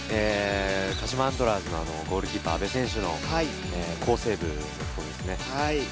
鹿島アントラーズのゴールキーパー・阿部選手の好セーブですね。